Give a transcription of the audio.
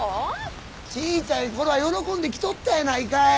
小ちゃいころは喜んで来とったやないかい。